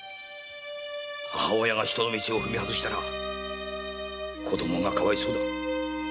母親が人の道を踏みはずしたら子供がかわいそうだ。